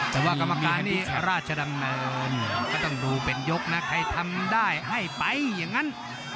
แต่ว่ากรรมการนี้ราชดำเนินก็ต้องดูเป็นยกนะใครทำได้ให้ไปอย่างนั้น